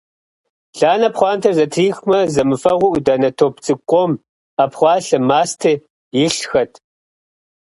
Ланэ пхъуантэр зэтрихмэ – зэмыфэгъуу Ӏуданэ топ цӀыкӀу къом, Ӏэпхъуалъэ, мастэ илъхэт.